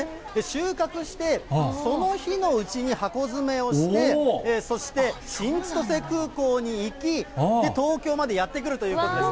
収穫して、その日のうちに箱詰めをして、そして新千歳空港に行き、東京までやって来るということです。